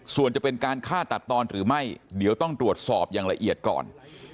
ส่วนจะเป็นการฆ่าตัดตอนหรือไม่เดี๋ยวต้องตรวจสอบอย่างละเอียดก่อน